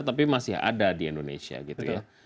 tapi masih ada di indonesia gitu ya